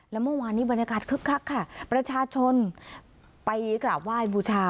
และเมื่อวานนี้บรรยากาศคึกคักค่ะประชาชนไปกราบไหว้บูชา